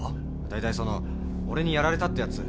だいたいその俺にやられたってやつ